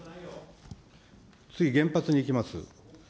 次、原発にいきます。